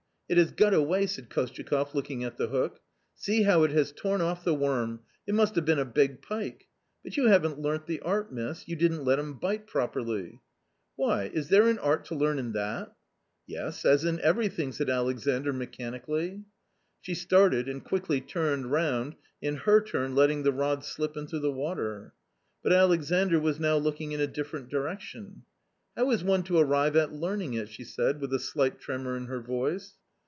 " It has got away !" said Kostyakoff, looking at the hook. x^*"See how it has torn off the worm ; it must have been a big 1 pike. But you haven't learnt the art, miss ; yo u didn't let \ him bite prop erly." "~^ yi> "^Why, is there an art to learn in that ?"^^" Ye s7 as in everything," s aid A lexandr mechanically. She started and quickly Turned roundj TrTher t\uil~tetting the rod slip into the water. But Alexandr was now looking in a different direction. "How is one to arrive at learning it?" she said with a slight tremor in her voice.